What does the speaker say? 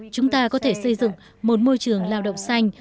chúng ta có thể xây dựng một môi trường lao động xanh